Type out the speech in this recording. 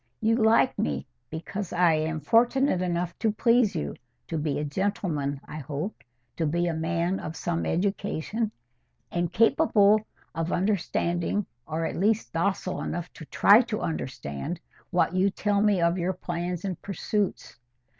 You like me, because I am fortunate enough to please you—to be a gentleman, I hope—to be a man of some education, and capable of understanding, or at least docile enough to try to understand, what you tell me of your plans and pursuits.